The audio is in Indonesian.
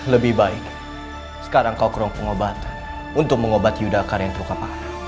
lebih baik sekarang kau kurang pengobatan untuk mengobat yudhacara yang terluka malam